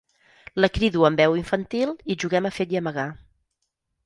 La crido amb veu infantil i juguem a fet i amagar.